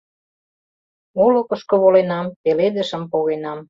Олыкышко воленам, пеледышым погенам